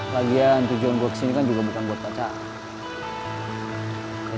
lagian tujuan gue kesini kan juga bukan buat pacaran